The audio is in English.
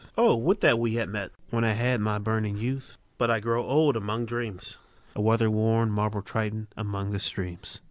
O would that we had met When I had my burning youth; But I grow old among dreams, A weather worn, marble triton Among the streams.